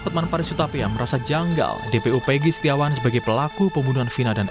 otman parisutapia merasa janggal dpu peggy setiawan sebagai pelaku pembunuhan vina dan